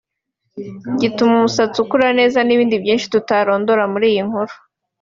gituma umusatsi ukura neza n’ibindi byinshi tutarondoye muri iyi nkuru